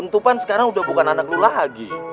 itu kan sekarang udah bukan anak lu lagi